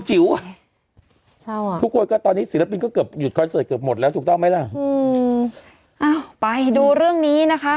เศร้าอ่ะทุกคนก็ตอนนี้ศิลปินก็เกือบหยุดคอนเสิร์ตเกือบหมดแล้วถูกต้องไหมล่ะอืมอ้าวไปดูเรื่องนี้นะคะ